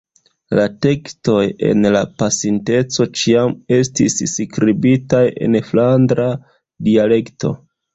La tekstoj en la pasinteco ĉiam estis skribitaj en flandra dialekto.